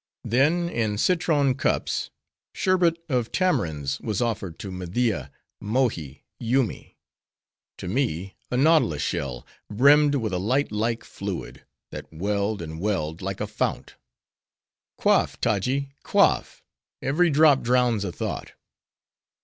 Then, in citron cups, sherbet of tamarinds was offered to Media, Mohi, Yoomy; to me, a nautilus shell, brimmed with a light like fluid, that welled, and welled like a fount. "Quaff, Taji, quaff! every drop drowns a thought!"